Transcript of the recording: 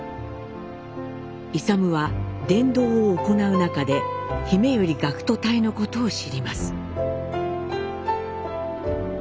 勇は伝道を行う中で「ひめゆり学徒隊」のことを知ります。